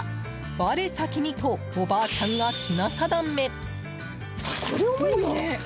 我先にとおばあちゃんが品定め。